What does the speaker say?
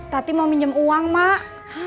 tadi mau minjem uang mak